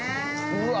うわ！